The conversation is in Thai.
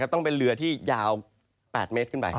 ต้องเป็นเรือที่ยาว๘เมตรขึ้นไป